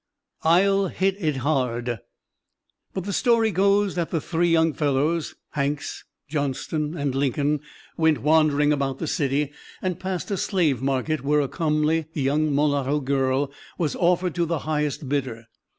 "I'LL HIT IT HARD!" But the story goes that the three young fellows Hanks, Johnston and Lincoln went wandering about the city, and passed a slave market, where a comely young mulatto girl was offered to the highest bidder.